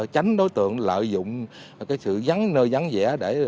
tránh đối tượng lợi dụng sự nơi dắn dẻ